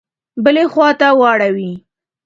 بلي خواته واړوي.